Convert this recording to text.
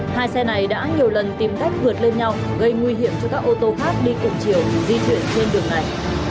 hai xe này đã nhiều lần tìm cách vượt lên nhau gây nguy hiểm cho các ô tô khác đi cùng chiều di chuyển trên đường này